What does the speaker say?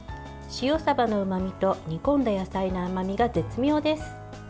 塩さばのうまみと煮込んだ野菜の甘みが絶妙です。